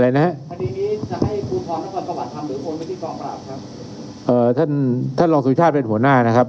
หรือโค้งไปที่ฟองปราบครับเอ่อท่านท่านลองสุขภาพเป็นหัวหน้านะครับ